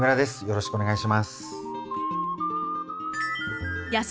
よろしくお願いします。